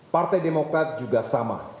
partai demokrat juga sama